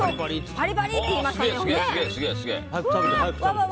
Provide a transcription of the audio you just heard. パリパリっていいましたね。